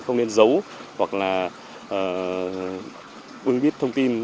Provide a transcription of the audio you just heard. không nên giấu hoặc là ưng biết thông tin